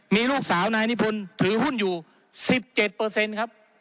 มีลูกสาวนายนิพนธ์ถือหุ้นอยู่๑๗ครับ